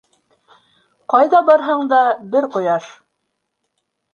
Ҡайҙа барһаң да бер ҡояш.